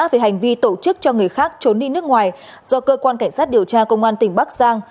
về hành vi tổ chức cho người khác trốn đi nước ngoài do cơ quan cảnh sát điều tra công an tỉnh bắc giang